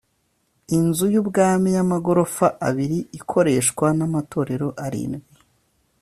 inzu y’ubwami y’amagorofa abiri ikoreshwa n’ amatorero arindwi